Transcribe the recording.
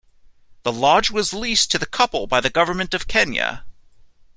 The lodge was leased to the couple by the government of Kenya.